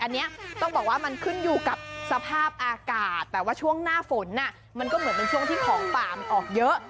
อันนี้ต้องบอกว่ามันขึ้นอยู่กับสภาพอากาศแต่ว่าช่วงหน้าฝนมันก็เหมือนเป็นช่วงที่ของป่ามันออกเยอะ